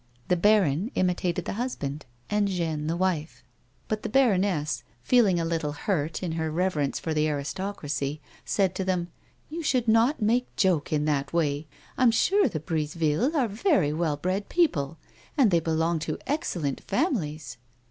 The baron imitated the husband and Jeanne the wife, but the baroness, feeling a little hurt in her reverence for the aristocracy, said to them :" You should not joke in that way. I'm sure the Brisevilles are very well bred people, and they belong to excellent families."